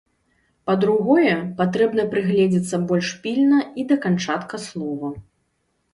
Па-другое, патрэбна прыгледзецца больш пільна і да канчатка слова.